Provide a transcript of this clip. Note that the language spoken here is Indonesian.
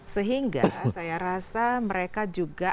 sehingga saya rasa mereka juga